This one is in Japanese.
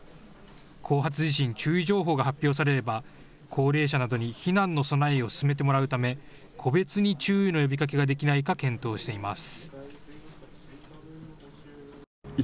後発地震注意情報が発表されれば高齢者などに避難の備えを進めてもらうため個別に注意の呼びかけができないか検討しています。